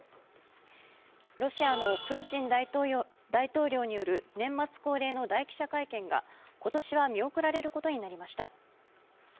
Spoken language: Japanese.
ロシアのプーチン大統領による年末恒例の大記者会見が今年は見送られることになりました。